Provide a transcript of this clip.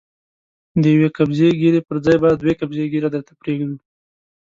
د يوې قبضې ږيرې پر ځای به دوې قبضې ږيره درته پرېږدو.